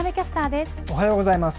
おはようございます。